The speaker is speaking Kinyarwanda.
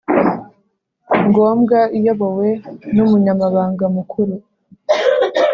Ngombwa iyobowe n umunyamabanga mukuru